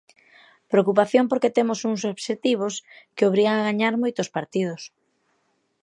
Preocupación porque temos uns obxectivos que obrigan a gañar moitos partidos.